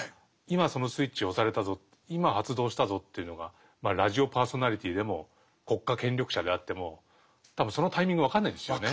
今そのスイッチを押されたぞ今発動したぞというのがラジオパーソナリティーでも国家権力者であっても多分そのタイミング分かんないですよね。